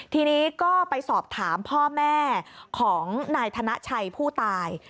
ทีนี้ก็ไปสอบถามพ่อแม่ของนายธนชัยผู้ตาย